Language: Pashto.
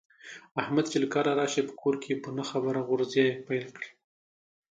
احمد چې له کاره راشي، په کور کې په نه خبره غورزی پیل کړي.